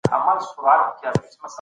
زده کړه د ټولنې د اصلاح لاره ده.